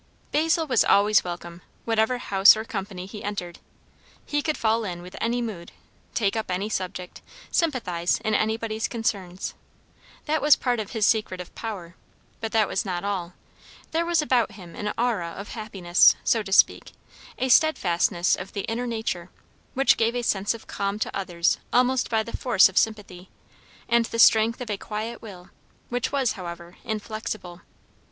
Basil was always welcome, whatever house or company he entered; he could fall in with any mood, take up any subject, sympathize in anybody's concerns. That was part of his secret of power, but that was not all. There was about him an aura of happiness, so to speak; a steadfastness of the inner nature, which gave a sense of calm to others almost by the force of sympathy; and the strength of a quiet will, which was, however, inflexible.